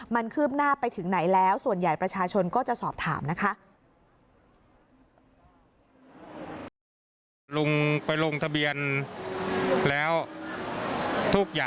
มันคืบหน้าไปถึงไหนแล้วส่วนใหญ่ประชาชนก็จะสอบถามนะคะ